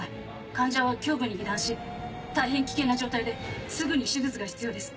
患者は胸部に被弾し大変危険な状態ですぐに手術が必要です。